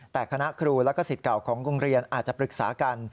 แต่คณะครูและก็สิทธิ์เก่าของโรงเรียนอาจจะปรึกษากัน